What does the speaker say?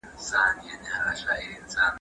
زه د مستو په خوړلو بوخت یم.